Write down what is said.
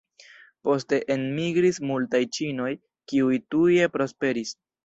Poste enmigris multaj ĉinoj kiuj tuje prosperis.